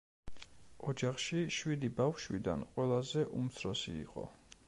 ოჯახში შვიდი ბავშვიდან ყველაზე უმცროსი იყო.